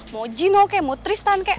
mau gino kek mau tristan kek